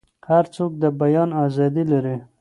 هر څوک د بیان ازادي لري.